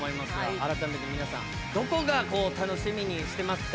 改めて皆さんどこがこう楽しみにしてますか？